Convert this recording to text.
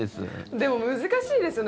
でも難しいですよね。